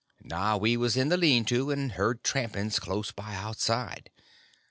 Now we was in the lean to, and heard trampings close by outside.